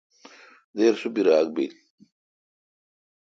دیر سو بیراگ بل۔